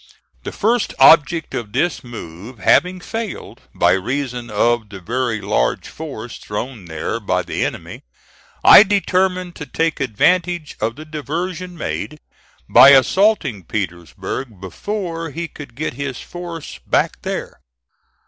The first object of this move having failed, by reason of the very large force thrown there by the enemy, I determined to take advantage of the diversion made, by assaulting Petersburg before he could get his force back there.